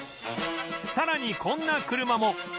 さらにこんな車も